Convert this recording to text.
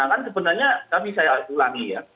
kan sebenarnya tapi saya ulangi